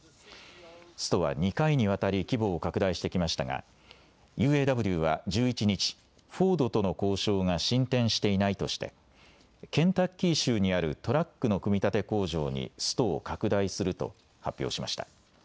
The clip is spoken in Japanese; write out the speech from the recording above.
ストは２回にわたり規模を拡大してきましたがＵＡＷは１１日フォードとの交渉が進展していないとしてケンタッキー州にあるトラックの組み立て工場にストを拡大すると発表しました。